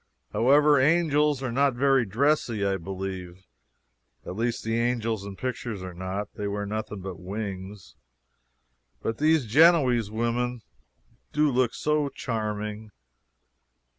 However, angels are not very dressy, I believe. At least the angels in pictures are not they wear nothing but wings. But these Genoese women do look so charming.